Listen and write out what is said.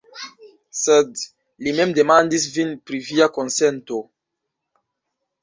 Sed li mem demandis vin pri via konsento.